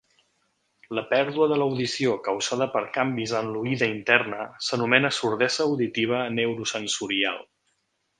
La pèrdua de l'audició causada per canvis en l'oïda interna s'anomena sordesa auditiva neurosensorial.